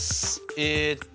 えっと。